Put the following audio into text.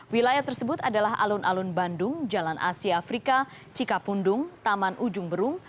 wilayah tersebut adalah alun alun bandung jalan asia afrika cikapundung taman ujung berung